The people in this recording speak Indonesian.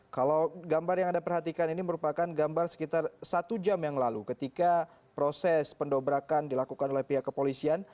kalau gambar yang anda perhatikan ini merupakan gambar sekitar satu jam yang lalu ketika proses pendobrakan dilakukan oleh pihak kepolisian